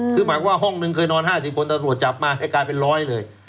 คือหมายความว่าห้องนึงเคยนอน๕๐คนแต่ตัวจับมากลายเป็น๑๐๐เลย